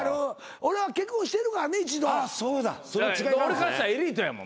俺からしたらエリートやもん。